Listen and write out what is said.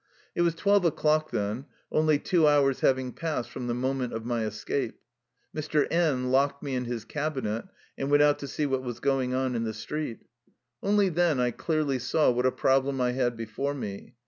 It was twelve o'clock then, only two hours having passed from the moment of my escape. Mr. N locked me in his cabinet and went out to see what was going on in the street. Only then I clearly saw what a problem I had before me.